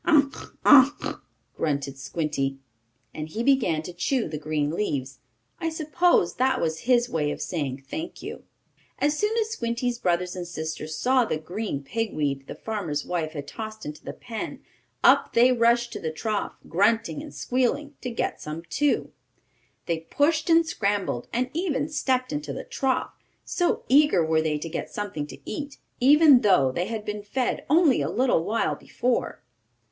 "Ugh! Ugh!" grunted Squinty, and he began to chew the green leaves. I suppose that was his way of saying: "Thank you!" As soon as Squinty's brothers and sisters saw the green pig weed the farmer's wife had tossed into the pen, up they rushed to the trough, grunting and squealing, to get some too. They pushed and scrambled, and even stepped into the trough, so eager were they to get something to eat; even though they had been fed only a little while before.